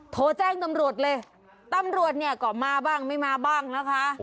โทรแจ้งตำรวจเลยตำรวจเนี่ยก็มาบ้างไม่มาบ้างนะคะ